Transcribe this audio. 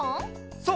そう！